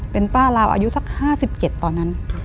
เป็นป้าลาวอายุสัก๕๗ตอนนั้น